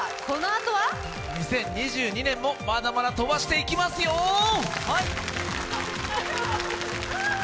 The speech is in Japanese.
このあとは２０２２年もまだまだ飛ばしていきますよー！